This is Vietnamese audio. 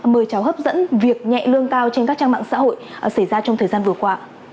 mời chào hấp dẫn việc nhẹ lương cao trên các trang mạng xã hội xảy ra trong thời gian vừa qua